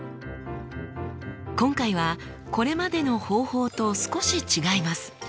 今回はこれまでの方法と少し違います。